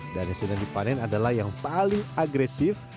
dan yang sedang dipanen adalah yang paling agresif